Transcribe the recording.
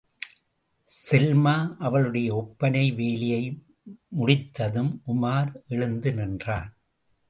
செல்மா அவளுடைய ஒப்பனை வேலையை முடித்ததும் உமார் எழுந்து நின்றான்.